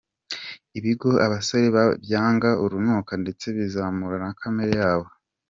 Ibi ngo abasore babyanga urunuka ndetse bizamura kamere yabo.